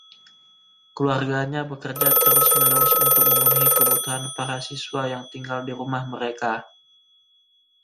Keluarganya bekerja terus-menerus untuk memenuhi kebutuhan para siswa yang tinggal di rumah mereka.